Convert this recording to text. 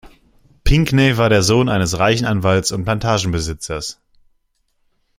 Pinckney war der Sohn eines reichen Anwalts und Plantagenbesitzers.